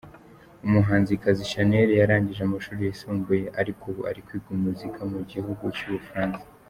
Umuhanzikazi Shanel yarangije amashuri yisumbuye, ariko ubu ari kwiga umuziki mu gihugu cy’ubufaransa.